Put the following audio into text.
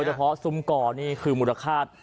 โดยเฉพาะซุ้มก่อนี่คือมูตรคาต